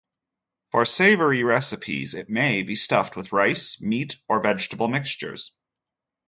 For savory recipes, it may be stuffed with rice, meat or vegetable mixtures.